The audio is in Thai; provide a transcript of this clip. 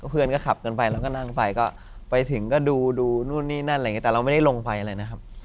เพื่อนก็ขับกันไปแล้วก็นั่งไปก็ไปถึงก็ดูนู่นนี่นั่นอะไรอย่างนี้แต่เราไม่ได้ลงไปอะไรนะครับ